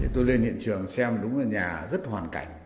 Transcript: tôi lên hiện trường xem đúng là nhà rất hoàn cảnh